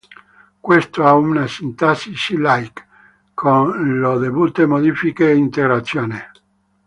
Questo ha una sintassi C-Like, con le dovute modifiche e integrazioni.